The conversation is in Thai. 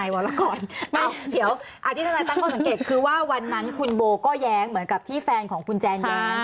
วันละก่อนเอาเดี๋ยวอาทิตย์ธนาตร์ตั้งคนสังเกตคือว่าวันนั้นคุณโบก็แย้งเหมือนกับที่แฟนของคุณแจนแย้ง